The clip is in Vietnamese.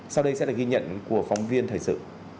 sau đây sẽ là ghi nhận của phóng viên thời sự